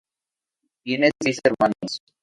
Tiene seis hermanos.